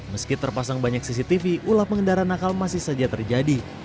meski terpasang banyak cctv ulah pengendara nakal masih saja terjadi